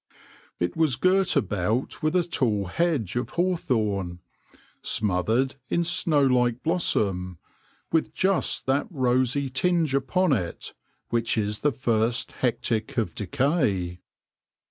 It was girt about with a tall hedge of hawthorn, smothered in snowlike blossom, with just that rosy tinge upon it which is the first hectic of decay.